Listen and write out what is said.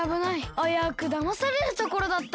あやうくだまされるところだった。